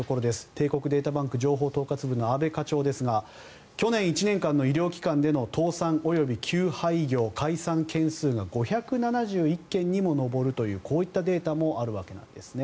帝国データバンク情報統括部の阿部課長ですが去年１年間の医療機関での倒産及び休廃業解散件数が５７１件にも上るというこういったデータもあるわけです。